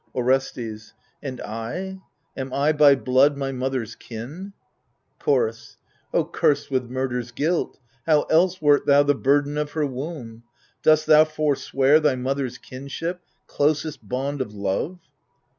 Orestes And I, am I by blood my mother's kin ? Chorus O cursed with murder's guilt, how else wert thou The burden of her womb ? Dost thou forswear Thy mother's kinship, closest bond of love